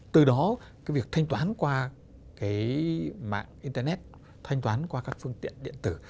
từ đó cái việc thanh toán qua cái mạng internet thanh toán qua các phương tiện điện tử